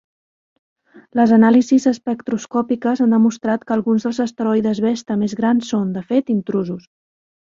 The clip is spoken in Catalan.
Les anàlisis espectroscòpiques han demostrat que alguns dels asteroides Vesta més grans són, de fet, intrusos.